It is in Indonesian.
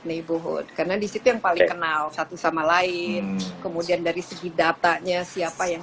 nabohood karena disitu yang paling kenal satu sama lain kemudian dari segi datanya siapa yang